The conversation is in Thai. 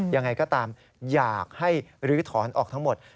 ยังไงก็ตามอยากให้ลื้อถอนออกทั้งหมด